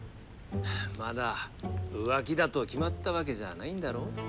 まだ浮気だと決まったわけじゃないんだろう？